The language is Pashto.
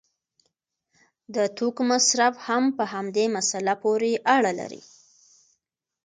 د توکو مصرف هم په همدې مسله پورې اړه لري.